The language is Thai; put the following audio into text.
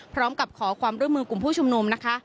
พร้อมกับขอความร่วมมือกลุ่มผู้ชุมนุมนะคะ